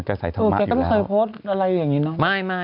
แกต้องไปไพด์อะไรอย่างนี้ต้อง